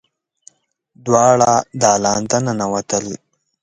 دواړه دالان ته ننوتل.